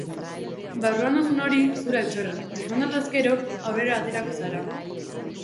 Barruan duzun hori, zure altxorra, defendatu ezkero, aurrera aterako zara.